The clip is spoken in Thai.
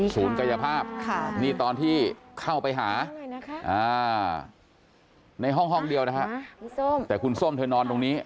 กายภาพนี่ตอนที่เข้าไปหาในห้องเดียวนะฮะแต่คุณส้มเธอนอนตรงนี้